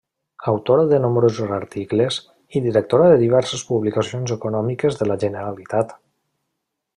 Autora de nombrosos articles i directora de diverses publicacions econòmiques de la Generalitat.